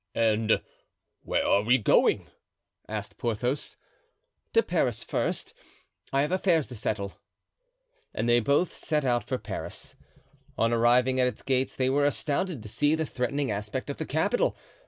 "And where are we going?" asked Porthos. "To Paris first; I have affairs to settle." And they both set out for Paris. On arriving at its gates they were astounded to see the threatening aspect of the capital.